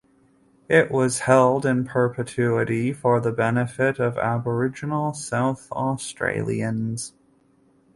It was held in perpetuity for the benefit of Aboriginal South Australians.